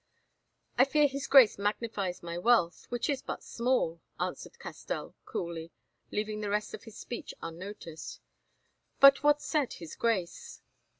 "I fear his Grace magnifies my wealth, which is but small," answered Castell coolly, leaving the rest of his speech unnoticed. "But what said his Grace?"